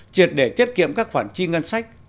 triệt để tiết kiệm các khoản chi ngân sách